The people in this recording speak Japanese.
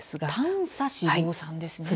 短鎖脂肪酸ですね。